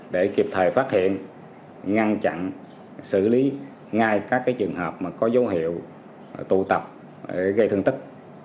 để kịp thời phát hiện ngăn chặn xử lý ngay các trường hợp có dấu hiệu tụ tập gây thương tích